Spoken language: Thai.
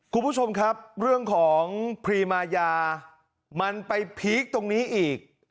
คุณผู้ชมครับเรื่องของพรีมายามันไปพีคตรงนี้อีก